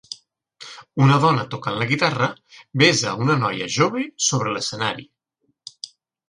Una dona tocant la guitarra besa a una noia jove sobre l'escenari.